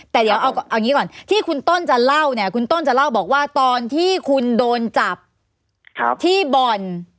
แต่เดี๋ยวเอางี้ก่อนที่คุณต้นจะเล่าเนี่ยคุณต้นจะเล่าบอกว่าตอนที่คุณโดนจับที่บ่อน